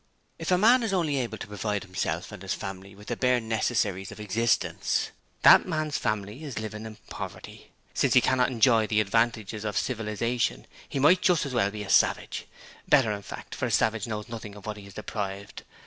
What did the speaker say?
'If a man is only able to provide himself and his family with the bare necessaries of existence, that man's family is living in poverty. Since he cannot enjoy the advantages of civilization he might just as well be a savage: better, in fact, for a savage knows nothing of what he is deprived.